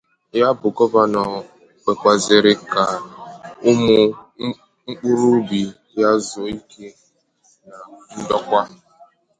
ya bụ gọvanọ kpèkwàzịrị ka mkpụrụobi ya zuo ike na ndokwa.